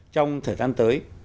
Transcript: trong thời gian tới